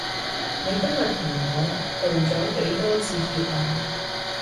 你今日同我道咗幾多次歉啊？